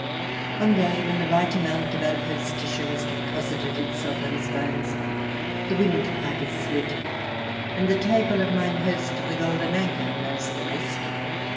One day, when the right amount of adipose tissue has deposited itself on his bones, his windpipe is slit — and the table of mine host of the Golden Anchor knows the rest.